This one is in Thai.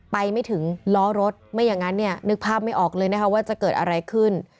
ไปไม่ถึงล้อรถไม่อย่างนั้นเนี่ยนึกภาพไม่ออกเลยนะคะว่าจะเกิดอะไรขึ้น